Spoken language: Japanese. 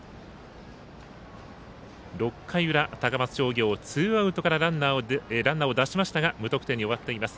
６回裏、高松商業ツーアウトからランナーを出しましたが無得点に終わっています。